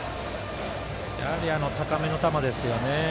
やはり高めの球ですよね。